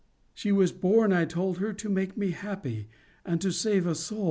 She was born, I told her, to make me happy and to save a soul.